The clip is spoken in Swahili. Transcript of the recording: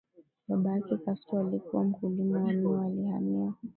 Baba yake Castro alikuwa mkulima wa miwa aliyehamia